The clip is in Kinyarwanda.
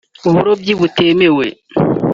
uburobyi butemewe